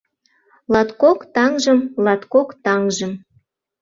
Латкок таҥжым, латкок таҥжым